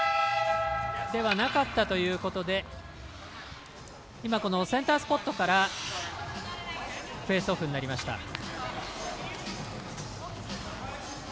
なかったということで今、センタースポットからフェイスオフになりました。